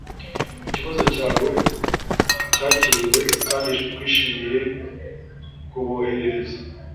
Ikibazo cyawe cyakiriwe kandi twishimiye kuboherereza